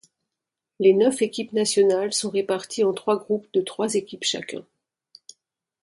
Les neuf équipes nationales sont réparties en trois groupes de trois équipes chacun.